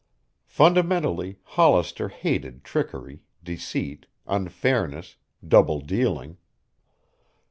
Fundamentally, Hollister hated trickery, deceit, unfairness, double dealing.